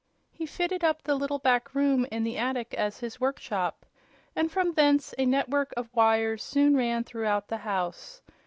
He fitted up the little back room in the attic as his workshop, and from thence a net work of wires soon ran throughout the house.